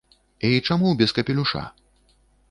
І чаму без капелюша?!